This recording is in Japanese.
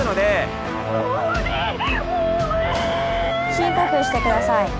深呼吸して下さい。